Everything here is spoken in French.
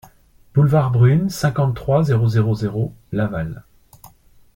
Boulevard Brune, cinquante-trois, zéro zéro zéro Laval